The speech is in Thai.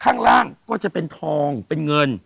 ข้างล่างก็จะเป็นทองเป็นเงิน